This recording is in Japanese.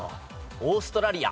オーストラリア。